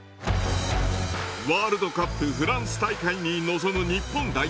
ワールドカップフランス大会に臨む日本代表です。